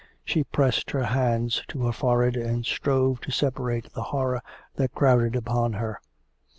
She pressed her hands to her forehead, and strove to separate the horror that crowded upon her.